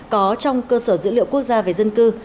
có trong cơ sở dữ liệu quốc gia về dân cư